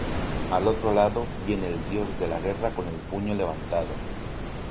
Al otro lado viene el Dios de la Guerra con el puño levantado.